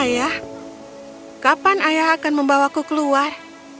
ayah kapan ayah akan membawaku keluar